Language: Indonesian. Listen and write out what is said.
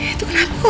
eh itu kenapa